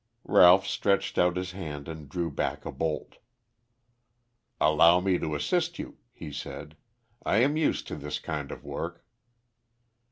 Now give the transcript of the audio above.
Ralph stretched out his hand and drew back a bolt. "Allow me to assist you," he said. "I am used to this kind of work."